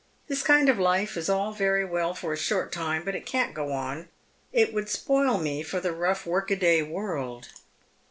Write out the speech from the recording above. This kind of life is all very well for a short time, but it can't go on — it would spoil me for the rough work a day world."